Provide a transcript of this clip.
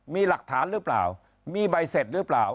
มีหลักฐานหรือเปล่ามีใบเสร็จหรือเปล่า